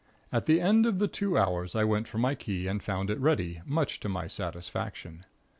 At the end of the two hours I went for my key and found it ready, much to my satisfaction.